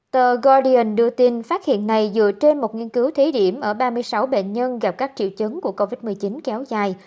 tờ goldian đưa tin phát hiện này dựa trên một nghiên cứu thí điểm ở ba mươi sáu bệnh nhân gặp các triệu chứng của covid một mươi chín kéo dài